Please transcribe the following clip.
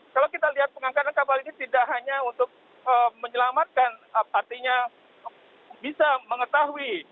kalau kita lihat pengangkatan kapal ini tidak hanya untuk menyelamatkan artinya bisa mengetahui